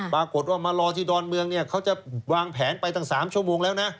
ปรากฏว่ามารอที่ดอนเมืองเนี่ยเขาจะวางแผนไปตั้ง๓ชั่วโมงแล้วนะ